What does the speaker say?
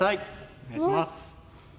お願いします。